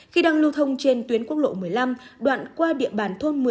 khi đang lưu thông trên tuyến quốc lộ một mươi năm đoạn qua địa bàn thôn một mươi